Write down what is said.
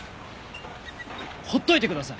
ほっといてください！